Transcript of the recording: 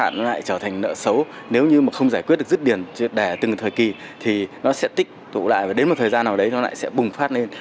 nó lại trở thành nợ xấu nếu như không giải quyết được triệt đẻ từng thời kỳ thì nó sẽ tích tụ lại và đến một thời gian nào đấy nó lại sẽ bùng phát lên